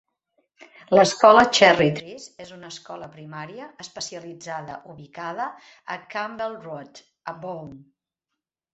L'Escola Cherry Trees és una escola primària especialitzada ubicada a Campbell Road, a Bow.